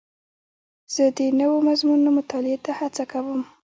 زه د نوو مضمونونو مطالعې ته هڅه کوم.